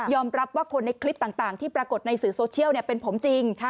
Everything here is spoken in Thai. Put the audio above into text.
รับว่าคนในคลิปต่างที่ปรากฏในสื่อโซเชียลเป็นผมจริง